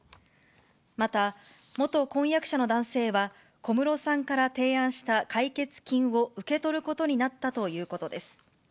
また、元婚約者の男性は、小室さんから提案した解決金を受け取ることになったということです。